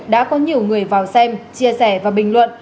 đã có nhiều người vào xem chia sẻ và bình luận